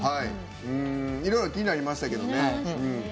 いろいろ気になりましたけどね。